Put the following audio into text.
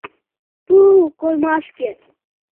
ТУЛ КОЙМАШКЕ